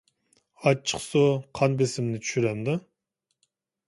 ئاچچىق سۇ قان بېسىمنى چۈشۈرەمدۇ؟